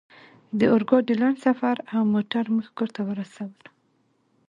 د اورګاډي لنډ سفر او موټر موږ کور ته ورسولو